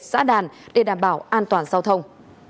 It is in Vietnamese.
xã đàn để đảm bảo an toàn giao thông